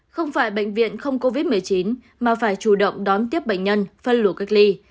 không phải bệnh viện không covid một mươi chín mà phải chủ động đón tiếp bệnh nhân phân luồng cách ly